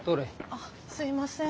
あすいません。